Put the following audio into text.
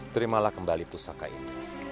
terimalah kembali pusaka ini